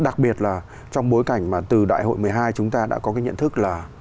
đặc biệt là trong bối cảnh mà từ đại hội một mươi hai chúng ta đã có cái nhận thức là